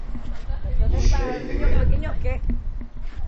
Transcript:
Нишләйһегеҙ?!